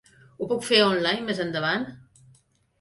Ho puc fer online més endavant?